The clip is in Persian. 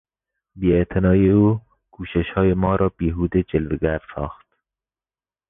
بی اعتنایی او کوششهای ما را بیهوده جلوگر ساخت.